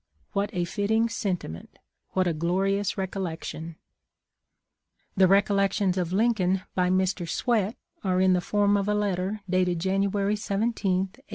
What a fitting sen timent ! What a glorious recollection !" The recollections of Lincoln by Mr. Swett are in the form of a letter dated January 17, 1866.